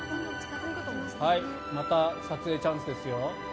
また撮影チャンスですよ。